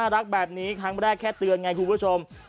แรกแค่เตือนไงคุณผู้ชม